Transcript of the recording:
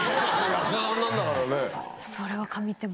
役者さんなんだからね。